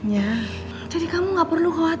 kembali ke rumah